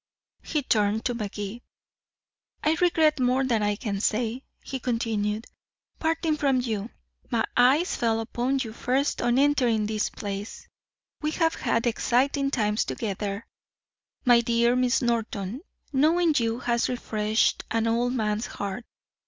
He turned to Magee. "I regret more than I can say," he continued, "parting from you. My eyes fell upon you first on entering this place we have had exciting times together. My dear Miss Norton knowing you has refreshed an old man's heart.